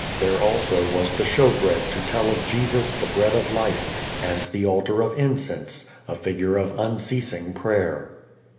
There also was the shewbread to tell of Jesus, the Bread of Life, and the altar of incense, a figure of unceasing prayer.